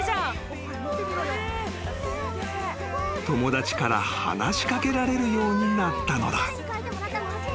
［友達から話し掛けられるようになったのだ］